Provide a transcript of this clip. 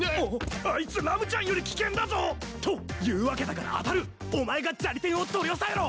あいつラムちゃんより危険だぞ！というわけだからあたるお前がジャリテンを取り押さえろ！